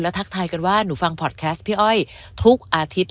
ทักทายกันว่าหนูฟังพอร์ตแคสต์พี่อ้อยทุกอาทิตย์